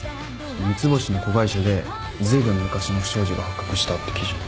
三ツ星の子会社でずいぶん昔の不祥事が発覚したって記事。